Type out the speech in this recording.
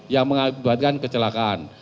yang mengakibatkan kecelakaan